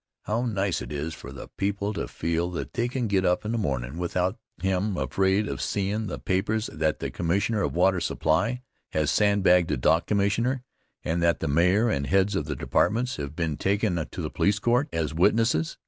How nice it is for the people to feel that they can get up in the mornin' without hem' afraid of seem' in the papers that the Commissioner of Water Supply has sandbagged the Dock Commissioner, and that the Mayor and heads of the departments have been taken to the police court as witnesses!